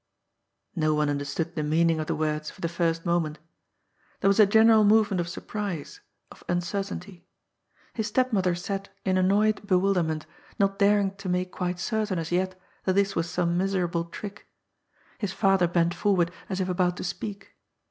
No one understood the meaning of the words for the first moment. There was a general movement of surprise, of uncertainty. His stepmother sat in annoyed bewilderment, THB NEW UFB BBGINa 88 not daring to make quite certain as yet that this was some miserable trick. His father bent forward as if about to speak.